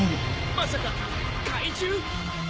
まさか怪獣！？